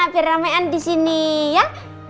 biar ramean disini ya